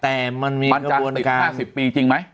แต่มันจะติด๕๐ปีจริงไหม